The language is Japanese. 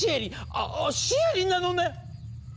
ああシエリなのね？